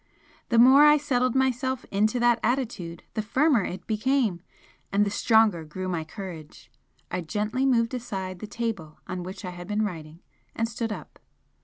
The more I settled myself into that attitude the firmer it became and the stronger grew my courage. I gently moved aside the table on which I had been writing, and stood up.